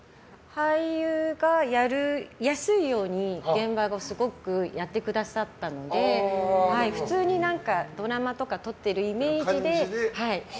俳優がやりやすいように現場がすごくやってくださったので普通に何かドラマとか撮っているイメージで。